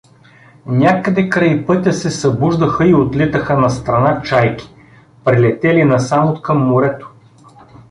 Някъде край пътя се събуждаха и отлитаха настрана чайки, прелетели насам откъм морето.